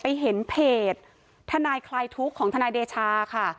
เห็นเพจทนายคลายทุกข์ของทนายเดชาค่ะ